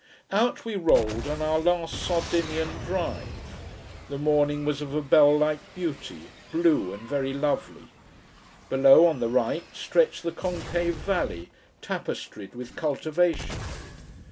Out we rolled, on our last Sardinian drive. The morning was of a bell like beauty, blue and very lovely. Below on the right stretched the concave valley, tapestried with cultivation.